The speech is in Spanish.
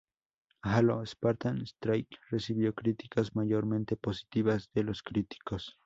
Halo: Spartan Strike recibió críticas mayormente positivas de los críticos.